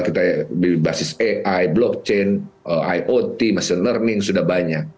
kita di basis ai blockchain iot machine learning sudah banyak